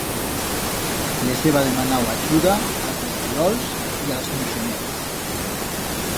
Les heba demanau achuda a'ls esquirols y a'ls muixonets.